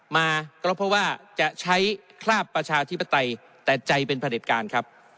มาก็เพราะว่าจะใช้คราบประชาธิปไตยแต่ใจเป็นผลิตการครับ